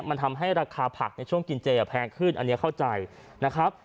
มันทำให้ราคาผักในช่วงกินเจแพงขึ้นอันนี้เข้าใจนะครับ